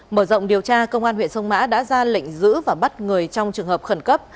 mở rộng điều tra công an huyện sông mã đã ra lệnh giữ và bắt người trong trường hợp khẩn cấp